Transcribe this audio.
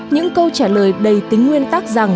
những câu trả lời đầy tính nguyên tắc rằng